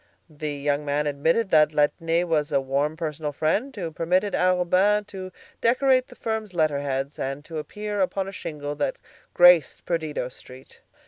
The young man admitted that Laitner was a warm personal friend, who permitted Arobin's name to decorate the firm's letterheads and to appear upon a shingle that graced Perdido Street.